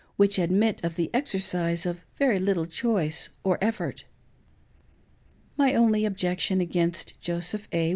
which admit of the pxercise of very Uttle choice or effort, My only objection against Joseph A.